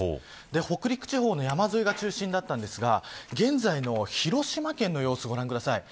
北陸地方の山沿いが中心だったんですが現在の広島県の様子ご覧ください。